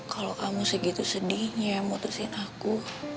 kalau kamu segitu sedihnya yang mutusin aku